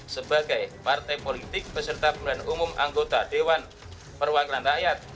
sebagai partai politik beserta pemilihan umum anggota dewan perwakilan rakyat